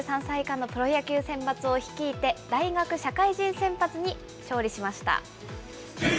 ２３歳以下のプロ野球選抜を率いて大学・社会人選抜に勝利しました。